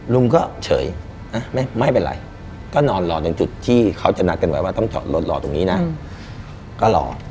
ลุงก็เฉยไม่เป็นไรก็นอนรอจนจุดที่เค้าจำหนักกันไว้ว่าต้องคอยรถรอตรงนี้นะ